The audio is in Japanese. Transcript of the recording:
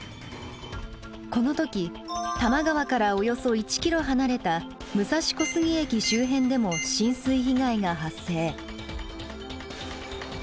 この時多摩川からおよそ１ｋｍ離れた武蔵小杉駅周辺でも浸水被害が発生。